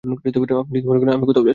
আপনি যদি মনে করেন আমি কোথাও যাচ্ছি।